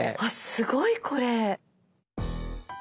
すごいこれ。